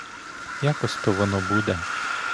Якось то воно буде.